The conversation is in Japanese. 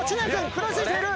食らいついている！